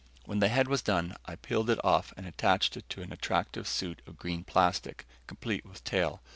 When the head was done, I peeled it off and attached it to an attractive suit of green plastic, complete with tail.